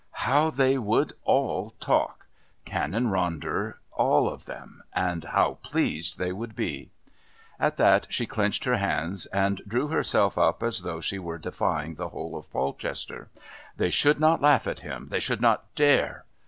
How they would all talk, Canon Ronder and all of them, and how pleased they would be! At that she clenched her hands and drew herself up as though she were defying the whole of Polchester. They should not laugh at him, they should not dare!...